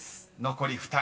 ［残り２人。